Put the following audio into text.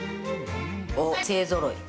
おっ、勢ぞろい。